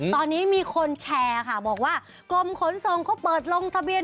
ตอนนี้มีคนแชร์ค่ะบอกว่ากรมขนส่งเขาเปิดลงทะเบียน